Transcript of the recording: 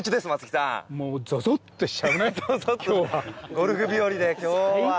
ゴルフ日和で、今日は。